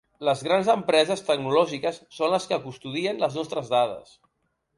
Les grans empreses tecnològiques són les que custodien les nostres dades.